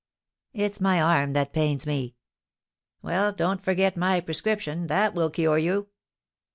"It's my arm that pains me." "Well, don't forget my prescription, that will cure you."